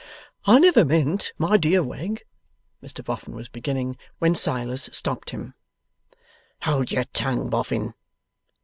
'I never meant, my dear Wegg ' Mr Boffin was beginning, when Silas stopped him. 'Hold your tongue, Boffin!